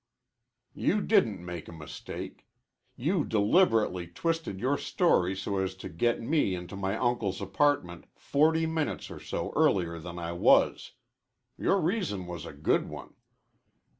"You didn't make a mistake. You deliberately twisted your story so as to get me into my uncle's apartment forty minutes or so earlier than I was. Your reason was a good one.